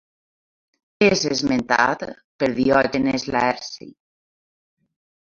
És esmentat per Diògenes Laerci.